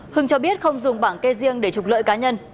hưng cho biết không dùng bảng kê riêng để trục lợi cá nhân